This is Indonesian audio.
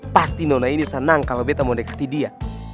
pasti nona ini senang kalo beta mau deketin dia